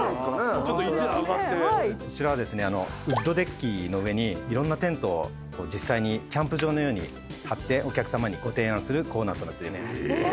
こちらはですねウッドデッキの上にいろんなテントを実際にキャンプ場のように張ってお客さまにご提案するコーナーと。